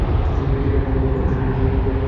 দেখো কলেজে কিছু অস্বাভাবিক ঘটনা ঘটছে।